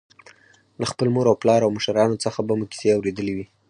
له خپل مور او پلار او مشرانو څخه به مو کیسې اورېدلې وي.